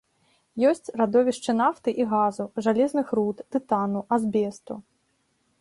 Ёсць радовішчы нафты і газу, жалезных руд, тытану, азбесту.